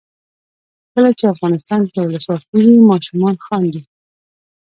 کله چې افغانستان کې ولسواکي وي ماشومان خاندي.